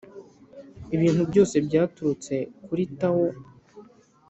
“ibintu byose byaturutse kuri tao